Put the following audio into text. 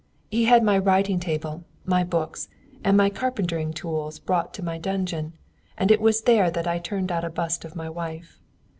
He had my writing table, my books, and my carpentering tools brought into my dungeon, and it was there that I turned out a bust of my wife.